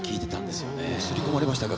すり込まれましたか？